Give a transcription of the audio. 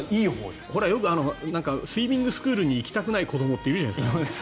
スイミングスクールに行きたくない子どもっているじゃないですか。